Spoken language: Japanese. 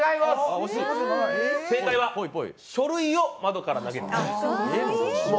正解は書類を窓から投げる。